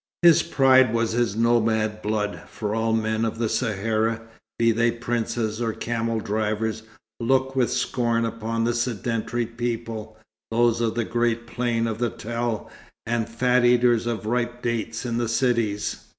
His pride was his nomad blood, for all men of the Sahara, be they princes or camel drivers, look with scorn upon the sedentary people, those of the great plain of the Tell, and fat eaters of ripe dates in the cities.